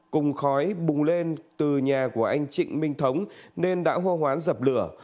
cùng khói bùng lên từ nhà của anh trịnh minh thống nên đã hô hoán dập lửa